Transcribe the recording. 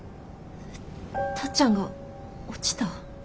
タッちゃんが落ちた？